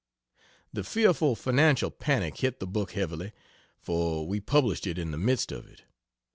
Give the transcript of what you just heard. The fearful financial panic hit the book heavily, for we published it in the midst of it.